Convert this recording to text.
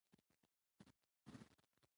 افغانستان د آمو سیند د پلوه ځانته ځانګړتیا لري.